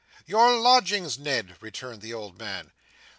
Your lodgings, Ned," returned the old man.